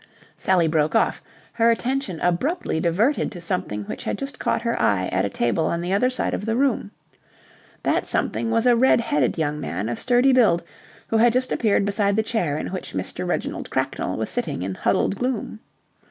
Sally broke off, her attention abruptly diverted to something which had just caught her eye at a table on the other side of the room. That something was a red headed young man of sturdy build who had just appeared beside the chair in which Mr. Reginald Cracknell was sitting in huddled gloom.